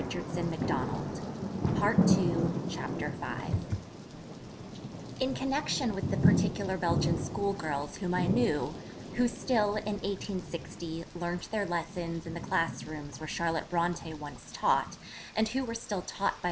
CHAPTER V THE STORY OF A CHAPEAU D'UNIFORME In connection with the particular Belgian schoolgirls whom I knew, who still, in 1860, learnt their lessons in the class rooms where Charlotte Brontë once taught, and who were still taught by M.